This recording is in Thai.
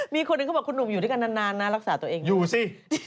มีคนหนึ่งเขาบอกคุณหนุ่มอยู่ด้วยกันนานนะรักษาตัวเองอยู่สิ